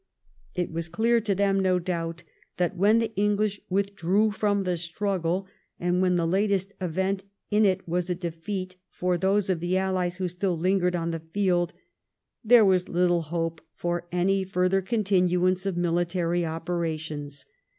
It was clear to them, no doubt, that when the English withdrew from the struggle, and when the latest event in it was a defeat for those of the Allies who still Ungered on the field, there was little hope for any further continuance of miUtary opera tions.